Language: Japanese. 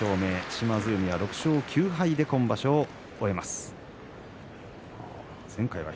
島津海は６勝９敗で今場所を終わります。